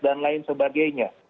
dan lain sebagainya